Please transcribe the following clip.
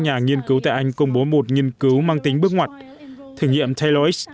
nhà nghiên cứu tại anh công bố một nghiên cứu mang tính bước ngoặt thử nghiệm taylois